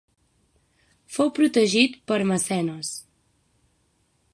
Fou protegit per Mecenes.